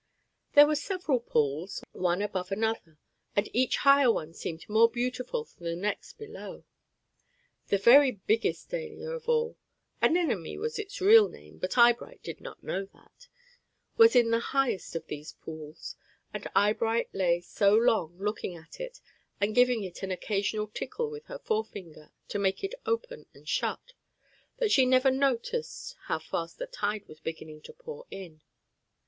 There were several pools, one above another, and each higher one seemed more beautiful than the next below. The very biggest "dahlia" of all Anemone was its real name, but Eyebright did not know that was in the highest of these pools, and Eyebright lay so long looking at it and giving it an occasional tickle with her forefinger to make it open and shut, that she never noticed how fast the tide was beginning to pour in.